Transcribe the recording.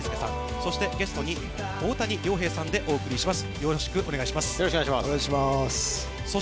そして、ゲストに大谷亮平さんでお送りします。